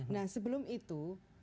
nah sebelum itu